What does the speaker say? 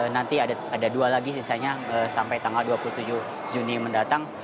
nanti ada dua lagi sisanya sampai tanggal dua puluh tujuh juni mendatang